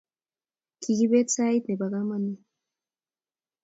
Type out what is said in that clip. Kigibeet sait nebo kamanuut